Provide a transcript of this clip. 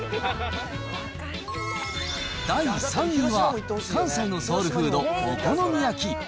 第３位は、関西のソウルフード、お好み焼き。